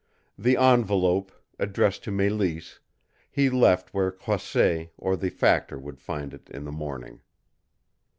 The envelope, addressed to Mélisse, he left where Croisset or the factor would find it in the morning.